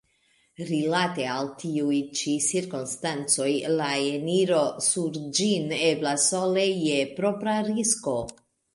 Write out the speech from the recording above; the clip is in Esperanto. Rilate al tiuj ĉi cirkonstancoj la eniro sur ĝin eblas sole je propra risko.